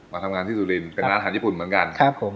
เป็นอาหารญี่ปุ่นเหมือนกันครับผม